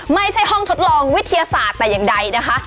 ไม่ใช่ห้องทดลองวิทยาศาสตร์แต่อย่างใดนะคะ